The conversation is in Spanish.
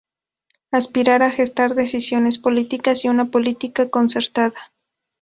Aspirar a gestar decisiones políticas y una política concertada.